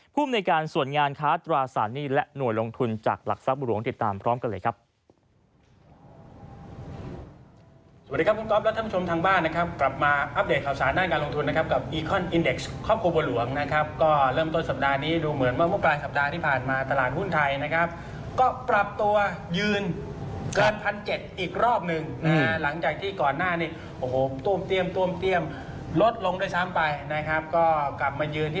ภูมิในการส่วนงานค้าตราสารหนี้และหน่วยลงทุนจากหลักทรัพย์หลวงติดตามพร้อมกันเลยครับ